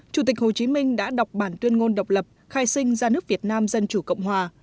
chủ tịch hồ chí minh đã đọc bản tuyên ngôn độc lập khai sinh ra nước việt nam dân chủ cộng hòa